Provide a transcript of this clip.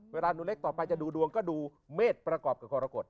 เวลาหนูเล็กต่อไปจะดูดวงก็ดูเมฆประกอบกับกรกฎ